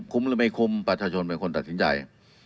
หรือไม่คุ้มประชาชนเป็นคนตัดสินใจ